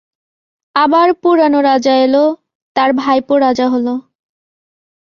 আবার পুরানো রাজা এল, তার ভাইপো রাজা হল।